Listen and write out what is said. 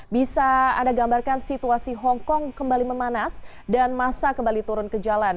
bisa anda gambarkan situasi hongkong kembali memanas dan masa kembali turun ke jalan